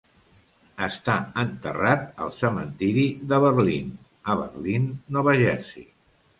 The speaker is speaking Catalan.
Està enterrat al cementiri de Berlín, a Berlín, Nova Jersey.